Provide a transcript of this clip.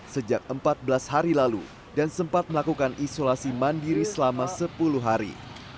sejak empat belas hari lalu dan sempat melakukan isolasi mandiri selama sepuluh hari